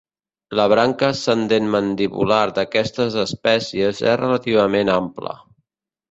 La branca ascendent mandibular d'aquestes espècies és relativament ampla.